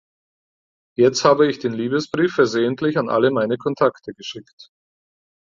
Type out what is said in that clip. Jetzt habe ich den Liebesbrief versehentlich an alle meine Kontakte geschickt.